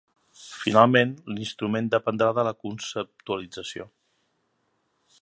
Finalment, l'instrument dependrà de la conceptualització.